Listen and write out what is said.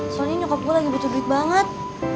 soalnya nyokap gua lagi butuh duit banget